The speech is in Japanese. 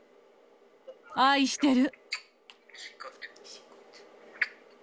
愛してる。